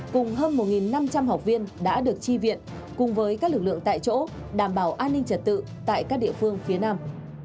cùng hơn một năm trăm linh học viên đã được chi viện cùng với các lực lượng tại chỗ đảm bảo an ninh trật tự tại các địa phương phía nam